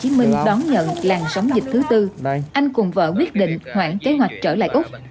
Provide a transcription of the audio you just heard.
tháng năm năm hai nghìn hai mươi một khi thành phố hồ chí minh đón nhận làn sóng dịch thứ tư anh cùng vợ quyết định hoãn kế hoạch trở lại úc